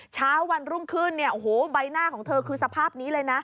เช้าวันรุ่งขึ้นเนี่ยโอ้โหใบหน้าของเธอคือสภาพนี้เลยนะ